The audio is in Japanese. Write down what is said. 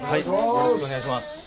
よろしくお願いします。